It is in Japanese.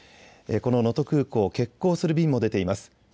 この能登空港、欠航する便も出ています。